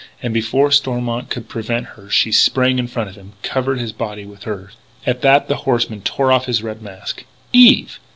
And before Stormont could prevent her she sprang in front of him, covering his body with her own. At that the horseman tore off his red mask: "Eve!